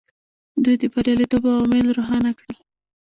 دوی د بریالیتوب عوامل روښانه کړل.